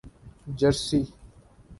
Jersey